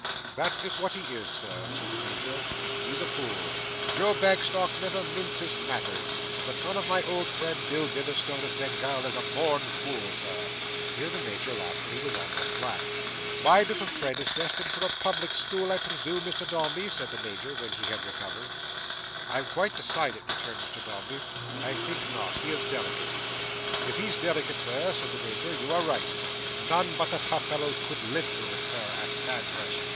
"That is what he is, sir," said the Major. "He's a fool. Joe Bagstock never minces matters. The son of my old friend Bill Bitherstone, of Bengal, is a born fool, Sir." Here the Major laughed till he was almost black. "My little friend is destined for a public school, I presume, Mr Dombey?" said the Major when he had recovered. "I am not quite decided," returned Mr Dombey. "I think not. He is delicate." "If he's delicate, Sir," said the Major, "you are right. None but the tough fellows could live through it, Sir, at Sandhurst.